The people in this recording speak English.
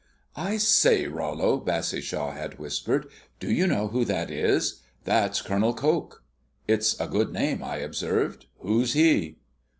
"I say, Rollo," Bassishaw had whispered, "do you know who that is? That's Col. Coke." "It's a good name," I observed. "Who's he?"